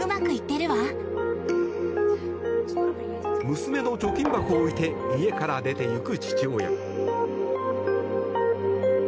娘の貯金箱を置いて家から出ていく父親。